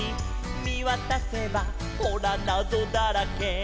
「みわたせばほらなぞだらけ」